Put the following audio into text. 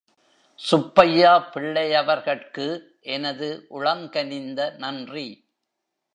சுப்பையா பிள்ளையவர்கட்கு எனது உளங்கனிந்த நன்றி.